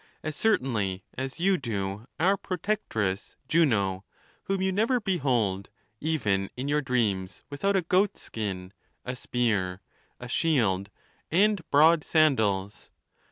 as certainly as you do our protectress Juno, whom you never behold, even in your dreams, without a goat skin, a spear, a shield, and broad sandals.